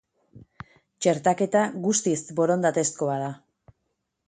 Txertaketa guztiz borondatezkoa da.